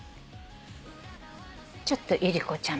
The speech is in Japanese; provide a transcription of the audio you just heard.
ちょっとゆり子ちゃん